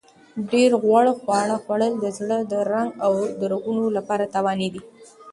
ډېر غوړ خواړه خوړل د زړه د رنګ او رګونو لپاره تاواني دي.